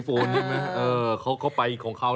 คุณจะไปหา